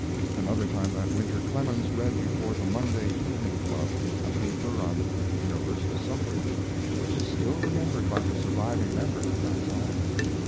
Another time that winter, Clemens read before the Monday Evening Club a paper on "Universal Suffrage," which is still remembered by the surviving members of that time.